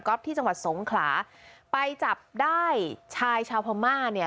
ก๊อฟที่จังหวัดทรงขไปจับได้ชายชาวอัมมาตย์เนี่ย